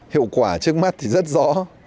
hiệu quả trước mắt thì rất rõ